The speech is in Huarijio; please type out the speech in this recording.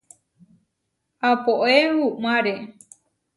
Apoé uʼmáre.